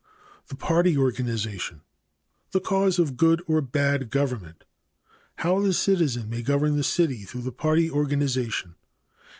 The party organization. The cause of good or bad government. How the citizen may govern the city through the party organization.